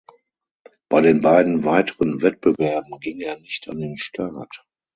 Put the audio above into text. Bei den beiden weiteren Wettbewerben ging er nicht an den Start.